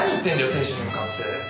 亭主に向かって。